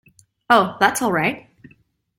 Oh, that's all right.